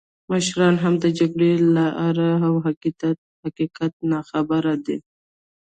مشران هم د جګړې له آره او حقیقت نه ناخبره دي.